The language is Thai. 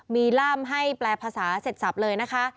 มีร่ามให้แปลภาษาเสร็จสับเลยนะคะ